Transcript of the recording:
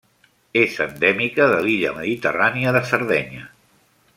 És endèmica de l'illa mediterrània de Sardenya.